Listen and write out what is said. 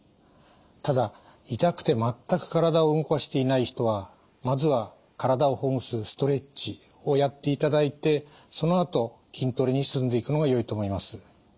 ただ痛くて全く体を動かしていない人はまずは体をほぐすストレッチをやっていただいてそのあと筋トレに進んでいくのがよいと思います。